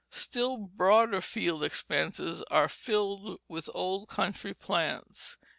Still broader field expanses are filled with old country plants.